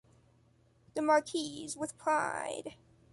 The marquise, with pride.